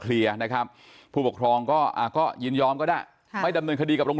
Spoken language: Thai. นะครับผู้ปกครองก็ยินยอมก็ได้ไม่ดำเนินคดีกับโรง